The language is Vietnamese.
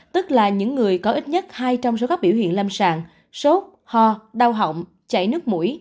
tức là những người có ít nhất hai trong số các biểu hiện lâm sàng sốt ho đau họng chảy nước mũi